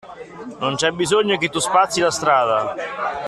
Non c'è bisogno che tu spazzi la strada.